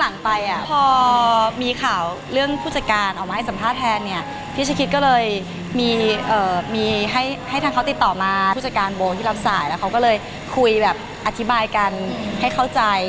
แล้วเขาก็เลยคุยแบบอธิบายกันให้เข้าใจ